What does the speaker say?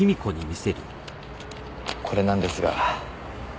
これなんですが。